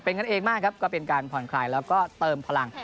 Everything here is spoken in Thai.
เป็นกันเองมากครับก็เป็นการผ่อนคลายแล้วก็เติมพลัง